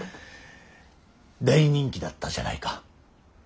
大人気だったじゃないか。